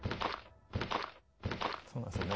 ・そうなんですよね